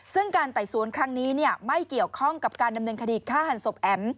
ซึ่งการไต่สวนครั้งนี้ไม่เกี่ยวข้องกับการดำเนินคดีฆ่าหันศพแอ๋ม